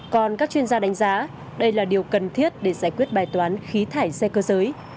còn các chuyên gia đánh giá đây là điều cần thiết để giải quyết bài toán khí thải xe cơ giới